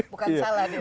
bukan salad itu